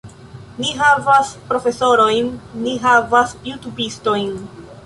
Ni havas profesorojn, ni havas jutubistojn